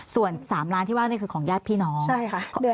ส่วน๓ล้านที่ว่านี่คือของญาติพี่น้องใช่ค่ะ